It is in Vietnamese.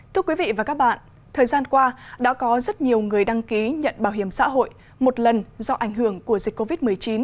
thưa quý vị và các bạn thời gian qua đã có rất nhiều người đăng ký nhận bảo hiểm xã hội một lần do ảnh hưởng của dịch covid một mươi chín